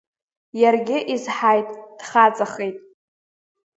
Иаргьы изҳаит, дхаҵахеит.